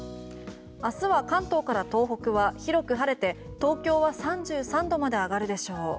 明日は関東から東北は広く晴れて東京は３３度まで上がるでしょう。